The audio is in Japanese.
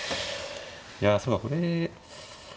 いやそうかこれ。